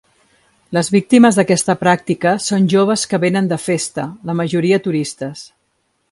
Les víctimes d’aquesta pràctica són joves que vénen de festa, la majoria turistes.